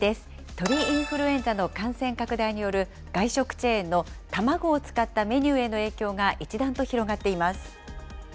鳥インフルエンザの感染拡大による外食チェーンの卵を使ったメニューへの影響が一段と広がっています。